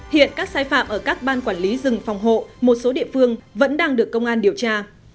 hiện các sai phạm ở các ban quản lý rừng phòng hộ một số địa phương vẫn đang được công an điều tra